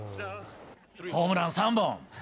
ホームラン３本。